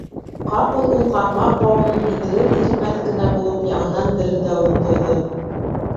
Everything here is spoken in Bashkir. Ҡапыл ул ҡармаҡ бауының һиҙелер-һиҙелмәҫ кенә булып яңынан дерелдәүен тойҙо.